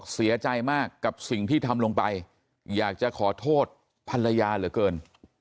เสียใจมากกับสิ่งที่ทำลงไปอยากจะขอโทษภรรยาเหลือเกิน